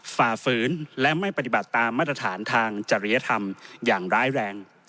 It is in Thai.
ฝ่าฝืนและไม่ปฏิบัติตามมาตรฐานทางจริยธรรมอย่างร้ายแรง